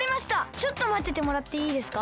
ちょっとまっててもらっていいですか？